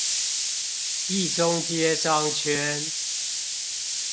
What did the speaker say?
一中街商圈